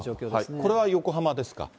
これは横浜ですか？